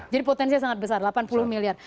jadi potensi sangat besar delapan puluh miliar